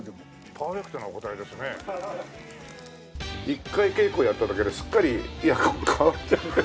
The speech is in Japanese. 一回稽古やっただけですっかり役が変わっちゃって。